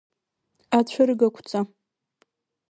Ацәыргақәҵа…